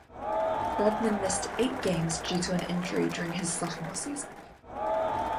Rodman missed eight games due to an injury during his sophomore season.